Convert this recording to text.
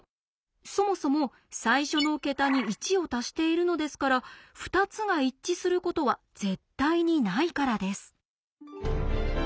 そもそも最初の桁に１を足しているのですから２つが一致することは絶対にないからです。